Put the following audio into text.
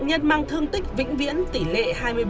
nạn nhân mang thương tích vĩnh viễn tỷ lệ hai mươi bảy